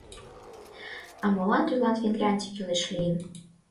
А молан тудлан Финляндий кӱлеш лийын?